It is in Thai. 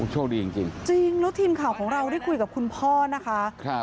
จริงแล้วทีมข่าวของเราได้คุยกับคุณพ่อนะคะ